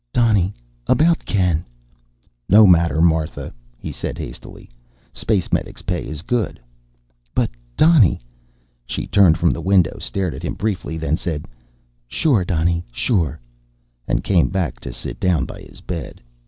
"Donny, about Ken " "No matter, Martha," he said hastily. "Space medic's pay is good." "But, Donny " She turned from the window, stared at him briefly, then said, "Sure, Donny, sure," and came back to sit down by his bed.